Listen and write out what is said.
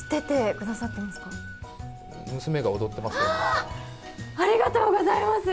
わー、ありがとうございます。